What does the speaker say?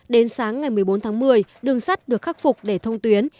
đến sáng ngày một mươi bốn tháng một mươi đường sắt được khắc phục để thông tuyến